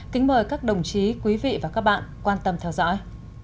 kính mời các đồng chí quý vị và các bạn quan tâm theo dõi